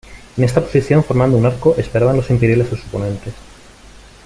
En esta posición, formando un arco, esperaban los imperiales a sus oponentes.